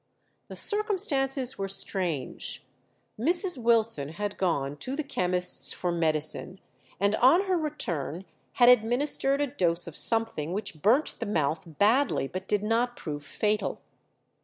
The circumstances were strange. Mrs. Wilson had gone to the chemist's for medicine, and on her return had administered a dose of something which burnt the mouth badly, but did not prove fatal.